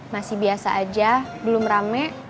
masih biasa aja belum rame